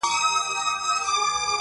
زه او ته یو په قانون له یوه کوره-